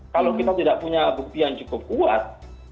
kalau kita tidak punya bukti yang cukup kuat